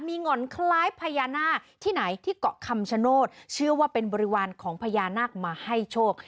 มีหง่อนคล้ายพญานาคที่ไหนที่เกาะคำชโนธเชื่อว่าเป็นบริวารของพญานาคมาให้โชค